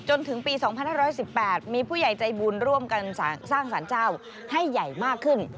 จนถึงปี๒๕๑๘มีผู้ใหญ่ใจบุญร่วมกันสร้างสารเจ้าให้ใหญ่มากขึ้น